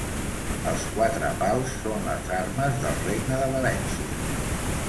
Els quatre pals són les armes del Regne de València.